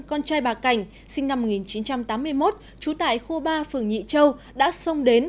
con trai bà cảnh sinh năm một nghìn chín trăm tám mươi một trú tại khu ba phường nhị châu đã xông đến